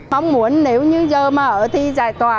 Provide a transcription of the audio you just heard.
mong muốn nếu như giờ mà ở thi giải tòa